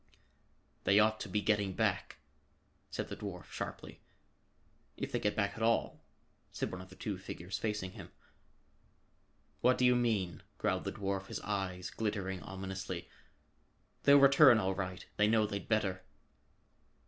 "They ought to be getting back," said the dwarf sharply. "If they get back at all," said one of the two figures facing him. "What do you mean?" growled the dwarf, his eyes glittering ominously. "They'll return all right; they know they'd better."